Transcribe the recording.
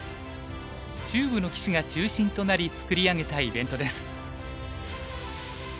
中部の棋士が中心となり作り上げたイベントです。